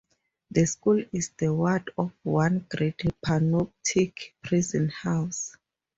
The school is the ward of one great panoptic prisonhouse.